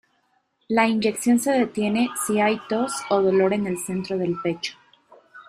La inyección se detiene si hay tos o dolor en el centro del pecho.